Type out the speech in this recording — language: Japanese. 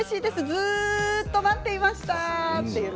ずっと待っていました。